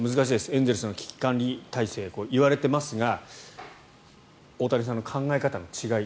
エンゼルスの危機管理体制いわれていますが大谷さんの考え方の違い